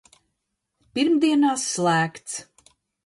Pirmdienās slēgts!